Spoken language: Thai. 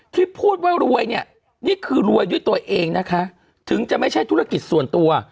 ที่พูดว่ารวยเนี่ยนี่คือรวยด้วยตัวเองนะคะถึงจะไม่ใช่ธุรกิจส่วนตัว